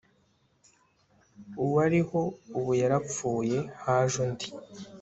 Uwariho ubu yarapfuye haje undi